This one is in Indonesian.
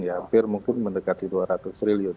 hampir mungkin mendekati dua ratus triliun